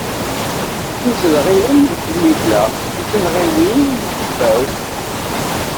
Tizelɣiwin n tnilla, tizelɣiwin n tibawt.